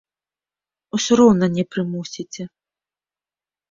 Усё роўна не прымусіце.